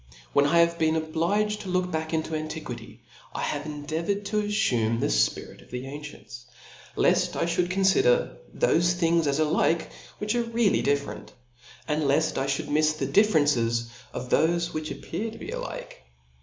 , When I have beeii obliged to look back in to antiquity, I have endeavoured to affume the fpirit of the ancients, left! (hould confider thofe things as alike,, which afe realty differ ent ; and left I ihould mifs the difference of thofe which appear to be alike.